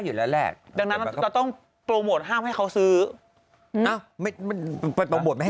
อยู่แล้วแหละดังนั้นมันจะต้องโปรโมทห้ามให้เขาซื้ออ้าวไม่มันไปโปรโมทไม่ให้